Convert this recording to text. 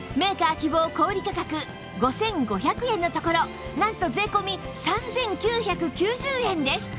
希望小売価格５５００円のところなんと税込３９９０円です！